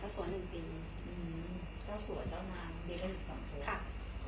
เจ้าสัวเจ้านางเล่นเป็นส่วนพวก